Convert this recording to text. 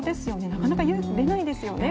なかなか勇気が出ないですよね。